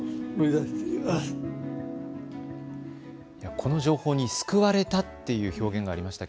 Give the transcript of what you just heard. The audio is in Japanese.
この情報に救われたという表現がありました。